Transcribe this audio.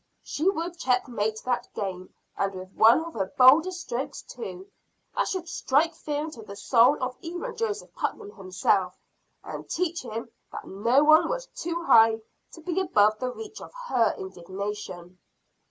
She would check mate that game and with one of her boldest strokes, too that should strike fear into the soul of even Joseph Putnam himself, and teach him that no one was too high to be above the reach of her indignation.